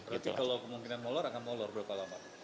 berarti kalau kemungkinan molor akan molor berapa lama